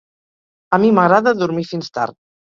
A mi m'agrada dormir fins tard.